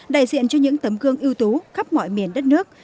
đại diện cho những tấm gương ưu tú khắp mọi miền đất nước